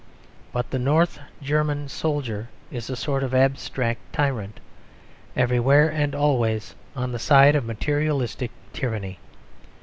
But the North German soldier is a sort of abstract tyrant, everywhere and always on the side of materialistic tyranny.